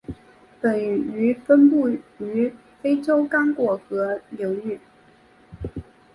本鱼分布于非洲刚果河流域。